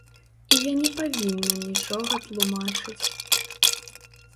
І я не павінна нічога тлумачыць.